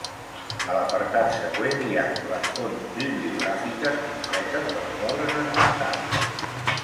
A l'apartat següent hi ha les Fonts bibliogràfiques completes de les obres esmentades.